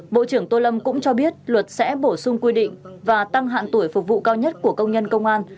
bộ trưởng tô lâm cũng cho biết luật sẽ bổ sung quy định và tăng hạn tuổi phục vụ cao nhất của công nhân công an